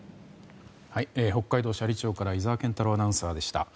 北海道斜里町から井澤健太朗アナウンサーでした。